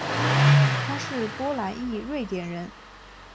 他是波兰裔瑞典人。